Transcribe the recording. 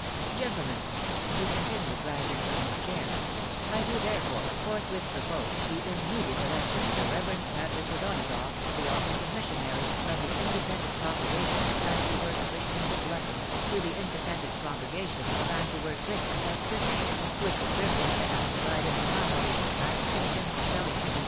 Gentlemen !".... he continued, rising from his chair, u I do, therefore, forthwith propose the immediate election of the Reverend Patrick O'Donagough to the office of mis ftf onary from the independent congregation oi k\£\«^^^rcfce tians of London, to the independent Christians at Sydney, with the privilege, and mnclfaidfirt bmkv poly of tract and hymn selling to the.